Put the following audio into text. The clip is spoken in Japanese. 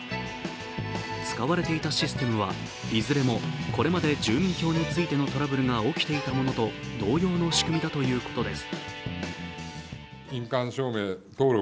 使われていたシステムはいずれもこれまで住民票についてのトラブルが起きていたものと同様の仕組みだということです。